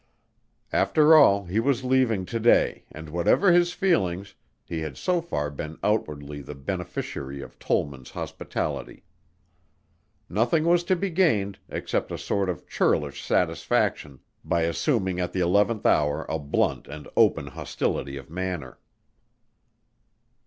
After all, he was leaving to day and whatever his feelings, he had so far been outwardly the beneficiary of Tollman's hospitality. Nothing was to be gained, except a sort of churlish satisfaction, by assuming at the eleventh hour a blunt and open hostility of manner.